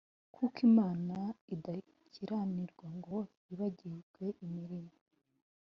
kuko Imana idakiranirwa ngo yibagirwe imirimo